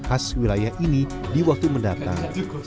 khas wilayah ini di waktu mendatang